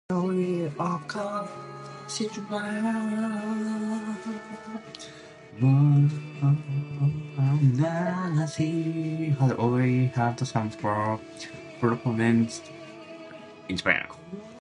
The theory of a constitutional monarchy had already had some proponents in Japan.